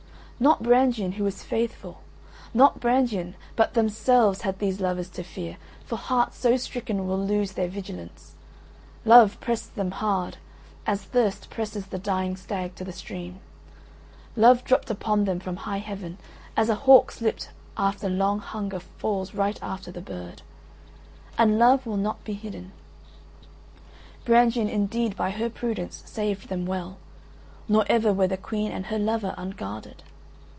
Not Brangien who was faithful, not Brangien, but themselves had these lovers to fear, for hearts so stricken will lose their vigilance. Love pressed them hard, as thirst presses the dying stag to the stream; love dropped upon them from high heaven, as a hawk slipped after long hunger falls right upon the bird. And love will not be hidden. Brangien indeed by her prudence saved them well, nor ever were the Queen and her lover unguarded.